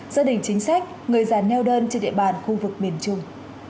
gia đình chính sách người già neo đơn trên địa bàn khu vực miền trung